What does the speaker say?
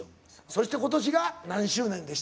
そして今年が何周年でしたっけ？